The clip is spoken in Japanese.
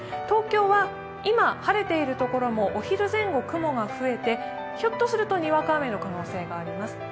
東京は今、晴れている所もお昼前後、雲が増えてひょっとするとにわか雨の可能性があります。